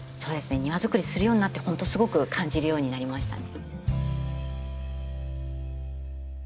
庭づくりするようになって本当すごく感じるようになりましたね。